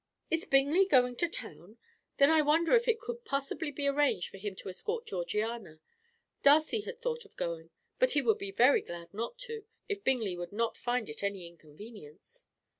"Is Bingley going to town? Then I wonder if it could possibly be arranged for him to escort Georgiana? Darcy had thought of going, but he would be very glad not to, if Bingley would not find it any inconvenience."